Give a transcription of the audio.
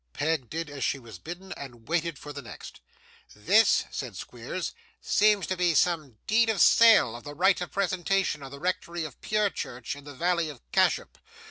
Peg did as she was bidden, and waited for the next. 'This,' said Squeers, 'seems to be some deed of sale of the right of presentation to the rectory of Purechurch, in the valley of Cashup.